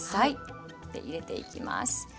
入れていきます。